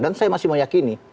dan saya masih meyakini